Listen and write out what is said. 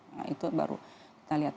nah itu baru kita lihat